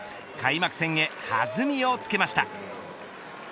開幕戦へ弾みをつけました。